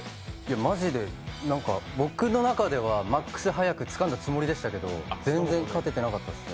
マジで、僕の中ではマックス早くつかんだつもりですけど全然勝ててなかったですね。